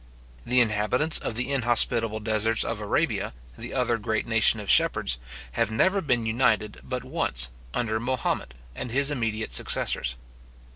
The inhabitants of the inhospitable deserts of Arabia, the other great nation of shepherds, have never been united but once, under Mahomet and his immediate successors.